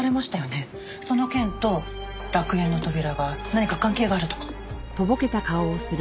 その件と楽園の扉が何か関係があるとか？